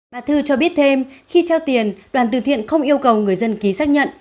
bà thư cho biết thêm khi trao tiền đoàn từ thiện không yêu cầu người dân ký xác nhận